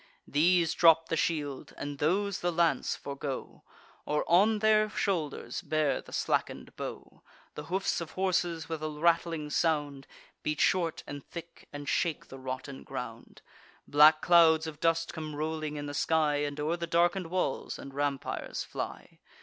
These drop the shield, and those the lance forego, Or on their shoulders bear the slacken'd bow. The hoofs of horses, with a rattling sound, Beat short and thick, and shake the rotten ground. Black clouds of dust come rolling in the sky, And o'er the darken'd walls and rampires fly.